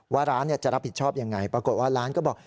ว่าร้านจะรับผิดชอบยังไงปรากฏว่าร้านก็บอก